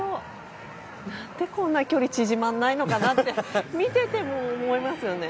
何でこんなに距離が縮まらないのかなって見ていても思いますよね。